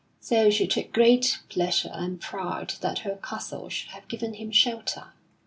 So she took great pleasure and pride that her castle should have given him shelter.